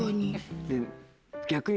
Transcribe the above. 逆に。